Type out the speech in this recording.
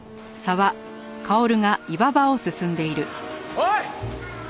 おい！